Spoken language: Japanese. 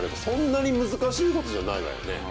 そんなに難しいことじゃないわよね。